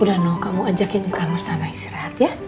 udah noh kamu ajakin ke kamar sana istirahat ya